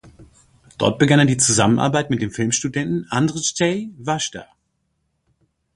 Dort begann er die Zusammenarbeit mit dem Filmstudenten Andrzej Wajda.